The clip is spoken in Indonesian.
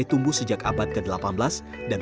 itu sangat penting